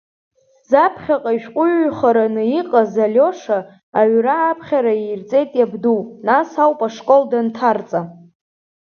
Заԥхьаҟа ишәҟәыҩҩхараны иҟаз Алиоша аҩра-аԥхьара иирҵеит иабду, нас ауп ашкол данҭарҵа.